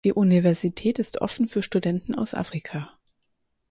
Die Universität ist offen für Studenten aus Afrika.